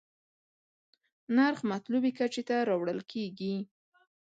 نرخ مطلوبې کچې ته راوړل کېږي.